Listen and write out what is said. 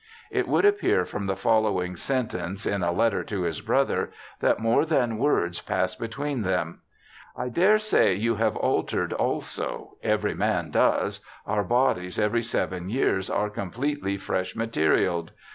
It would appear from the following sentence in a letter to his brother, that more than words passed between them :' I daresay you have altered also— every man does — our bodies every seven years are completely fresh material'd.